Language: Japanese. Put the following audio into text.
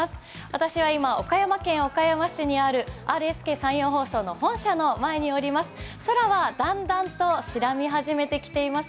私は岡山県岡山市にあるＲＳＫ山陽放送の本社の前にいます。